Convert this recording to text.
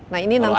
nah ini nanti